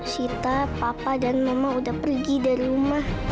sita papa dan mama udah pergi dari rumah